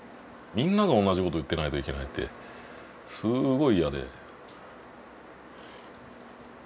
みんなが同じこと言ってないといけないってすごい嫌で。